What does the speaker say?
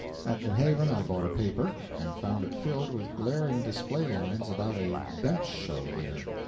At New Haven I bought a paper, and found it filled with glaring display lines about a "bench show" there.